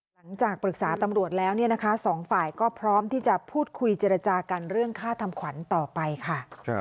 หลังจากปรึกษาตำรวจแล้วเนี่ยนะคะสองฝ่ายก็พร้อมที่จะพูดคุยเจรจากันเรื่องค่าทำขวัญต่อไปค่ะ